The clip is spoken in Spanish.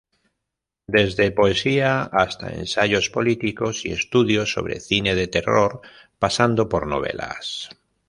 Desde poesia hasta ensayos políticos y estudios sobre cine de terror, pasando por novelas.